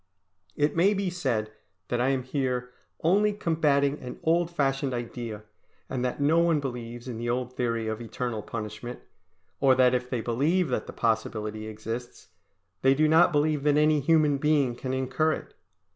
It may be said that I am here only combating an old fashioned idea, and that no one believes in the old theory of eternal punishment, or that if they believe that the possibility exists, they do not believe that any human being can incur it.